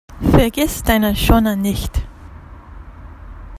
Vergiss deine Schoner nicht!